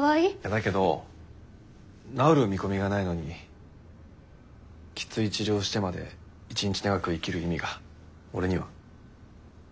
だけど治る見込みがないのにきつい治療してまで一日長く生きる意味が俺には。